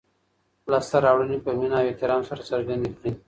لاسته راوړنې په مینه او احترام سره څرګندې کړئ.